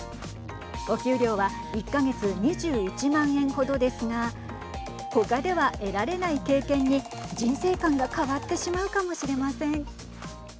お給料は１か月２１万円ほどですがほかでは得られない経験に人生観が変わってしまうかもしれません。